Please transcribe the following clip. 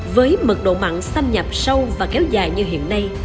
với mật độ mặn xâm nhập sâu và kéo dài như hiện nay